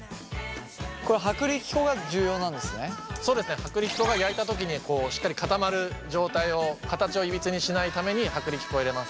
薄力粉が焼いた時にしっかり固まる状態を形をいびつにしないために薄力粉を入れます。